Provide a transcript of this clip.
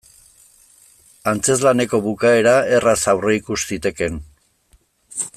Antzezlaneko bukaera erraz aurreikus zitekeen.